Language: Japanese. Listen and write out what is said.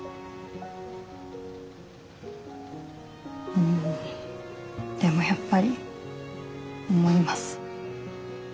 うんでもやっぱり思います。